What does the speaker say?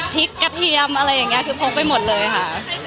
กระเทียมอะไรอย่างนี้คือพกไปหมดเลยค่ะ